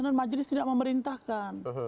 kalau majelis tidak memerintahkan